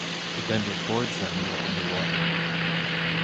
He then records them while underwater.